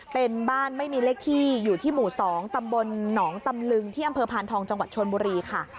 เป็นบ้านไม่มีเลขที่อยู่ที่หมู่๒ตำบลหนองตำลึงที่อำเภอพานทองจังหวัดชนบุรีค่ะ